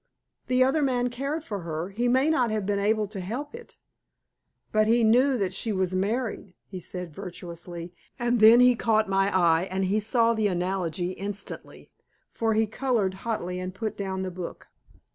"The other man cared for her; he may not have been able to help it." "But he knew that she was married," he said virtuously, and then he caught my eye and he saw the analogy instantly, for he colored hotly and put down the book.